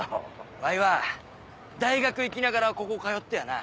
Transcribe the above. わいは大学行きながらここ通ってやな。